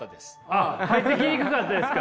あっ入ってきにくかったですか？